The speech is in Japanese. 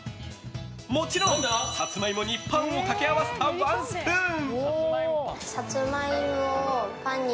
もちろん、サツマイモにパンを掛け合わせたワンスプーン。